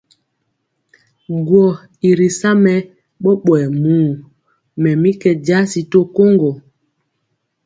Gwɔ̄ i ri sa mɛ ɓɔɓɔyɛ muu, mɛ mi kɛ jasi to koŋgo.